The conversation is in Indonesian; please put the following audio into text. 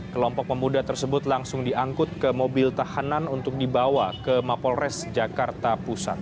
kelompok pemuda tersebut langsung diangkut ke mobil tahanan untuk dibawa ke mapolres jakarta pusat